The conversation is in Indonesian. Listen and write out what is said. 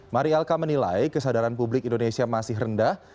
mariel kapangestu menilai kesadaran publik indonesia masih rendah